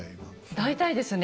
大体ですね